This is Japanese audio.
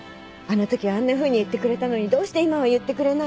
あのときはあんなふうに言ってくれたのにどうして今は言ってくれないの？